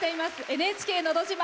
「ＮＨＫのど自慢」